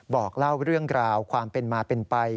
บอกเล่าเรื่องราวความเป็นมาเป็นไป